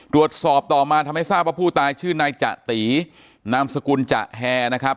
ตรวจสอบต่อมาทำให้ทราบว่าผู้ตายชื่อนายจะตีนามสกุลจะแฮนะครับ